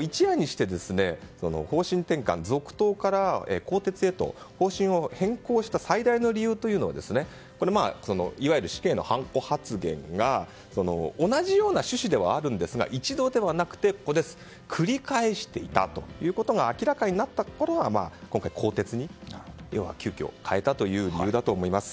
一夜にして方針転換続投から更迭へと方針を変更した最大の理由というのはいわゆる死刑のはんこ発言が同じような趣旨ではあるんですが一度ではなくて繰り返していたということが明らかになったところが今回、更迭に急きょ変えたという理由だと思います。